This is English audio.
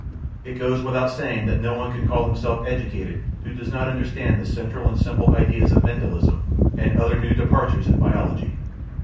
It goes without saying that no one can call himself educated who does not understand the central and simple ideas of Mendelism and other new departures in biology.